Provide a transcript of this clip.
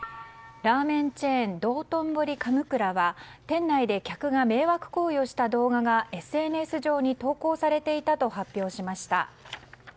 ラーメンチェーンどうとんぼり神座は店内で、客が迷惑行為をした動画がＳＮＳ上に投稿されていたと発表しました。